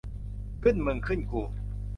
ขึ้นมึงขึ้นกู